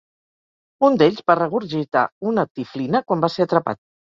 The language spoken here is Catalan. Un d'ells va regurgitar una "tiflina" quan va ser atrapat.